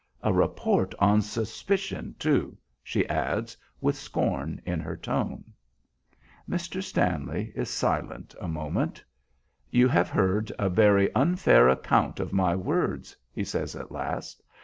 A report on suspicion, too," she adds, with scorn in her tone. Mr. Stanley is silent a moment. "You have heard a very unfair account of my words," he says at last.